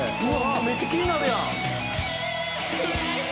「めっちゃ気になるやん！」